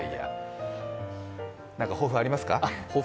何か抱負ありますか？